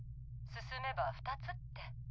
進めば２つって。